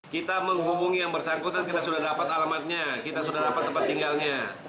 kita menghubungi yang bersangkutan kita sudah dapat alamatnya kita sudah dapat tempat tinggalnya